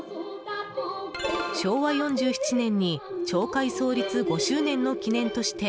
昭和４７年に町会創立５周年の記念として